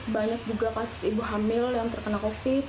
banyak juga pas ibu hamil yang terkena covid sembilan belas